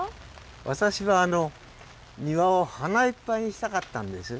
私は庭を花いっぱいにしたかったんです。